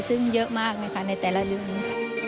ซึ่งเยอะมากนะคะในแต่ละเดือน